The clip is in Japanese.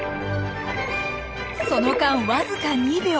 その間わずか２秒。